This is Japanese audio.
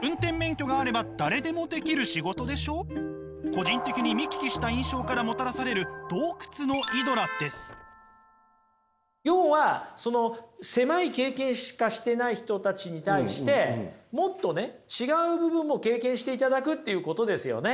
個人的に見聞きした印象からもたらされる要はその狭い経験しかしてない人たちに対してもっとね違う部分も経験していただくっていうことですよね。